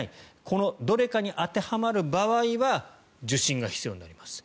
このどれかに当てはまる場合は受診が必要になります。